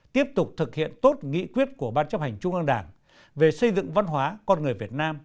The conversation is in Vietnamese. tiếp tục thực hiện tốt nghị quyết của ban chấp hành trung ương đảng về xây dựng văn hóa con người việt nam